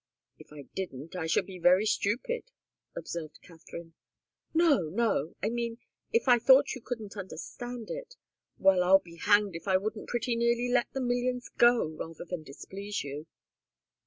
"If I didn't, I should be very stupid," observed Katharine. "No, no! I mean if I thought you couldn't understand it well, I'll be hanged if I wouldn't pretty nearly let the millions go, rather than displease you!"